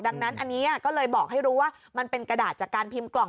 ดังนั้นอันนี้ก็เลยบอกให้รู้ว่ามันเป็นกระดาษจากการพิมพ์กล่อง